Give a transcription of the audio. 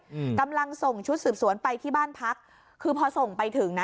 อืมกำลังส่งชุดสืบสวนไปที่บ้านพักคือพอส่งไปถึงน่ะ